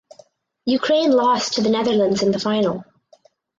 Ukraine lost to the Netherlands in the final.